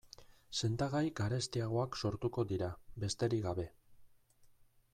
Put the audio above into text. Sendagai garestiagoak sortuko dira, besterik gabe.